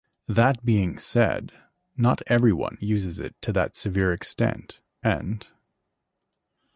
That being said, not everyone uses it to that severe extent and